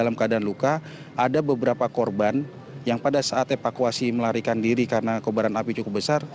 dalam keadaan luka ada beberapa korban yang pada saat evakuasi melarikan diri karena kobaran api cukup besar